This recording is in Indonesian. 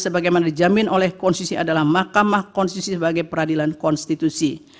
sebagaimana dijamin oleh konstitusi adalah mahkamah konstitusi sebagai peradilan konstitusi